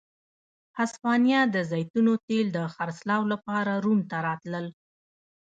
هسپانیا د زیتونو تېل د خرڅلاو لپاره روم ته راتلل.